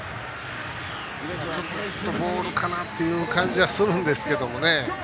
ちょっとボールかなっていう感じはするんですけどね。